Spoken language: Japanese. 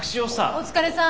お疲れさん。